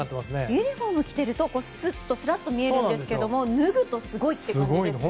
ユニホームを着ているとすっとスラっと見えるんですが脱ぐとすごいって感じですよね。